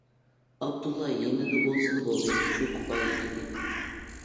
ئابدۇللا يېنىدا بولسىلا بولدى، شۇ كۇپايە ئىدى.